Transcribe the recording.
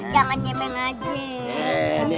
jangan nyemeng aja